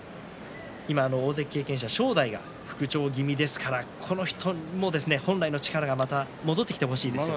大関経験者正代も復調気味ですからこの人も本来の力が戻ってほしいですね。